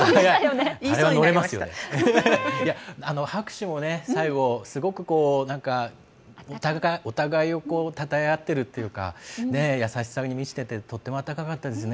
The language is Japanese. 拍手も最後、すごくお互いをたたえ合っているというか優しさに満ちていてとっても温かかったですね。